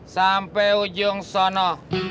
sampai ujung sono